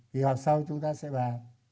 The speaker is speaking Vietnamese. kỳ họp sau chúng ta sẽ bàn